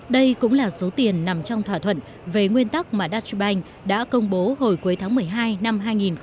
đây cũng là số tiền nằm trong thỏa thuận về nguyên tắc mà dashubank đã công bố hồi cuối tháng một mươi hai năm hai nghìn một mươi